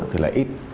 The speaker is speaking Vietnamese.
thì là ít